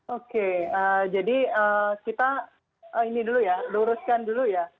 oke jadi kita ini dulu ya luruskan dulu ya